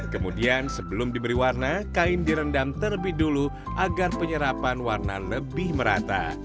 kemudian sebelum diberi warna kain direndam terlebih dulu agar penyerapan warna lebih merata